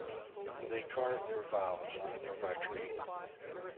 They carve their vows on a nearby tree.